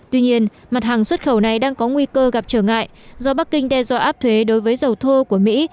tuy nhiên mặt hàng xuất khẩu này đang có nguy cơ gặp trở ngại do bắc kinh đe dọa áp thuế đối với dầu thô của mỹ